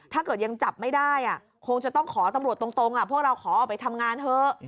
ถ้าเกิดยังจับไม่ได้คงจะต้องขอตำรวจตรงพวกเราขอออกไปทำงานเถอะ